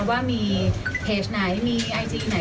ว่ามีเพจไหนมีไอจีไหน